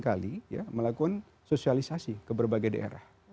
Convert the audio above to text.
kita seringkali melakukan sosialisasi ke berbagai daerah